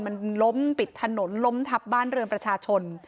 มันล้มปิดถนนล้มทับบ้านเรือนประชาชน